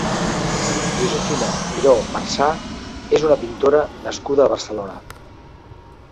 Josefina Miró Marsà és una pintora nascuda a Barcelona.